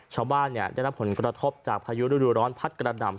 ชาวบ้านได้รับผลกระทบจากพายุฤดูร้อนพัดกระหน่ำ